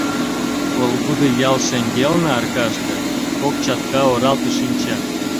Колгудо ял шеҥгелне, аркаште, кок чатка оралте шинча.